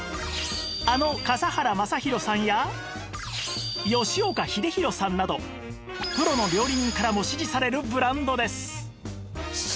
あの笠原将弘さんや吉岡英尋さんなどプロの料理人からも支持されるブランドです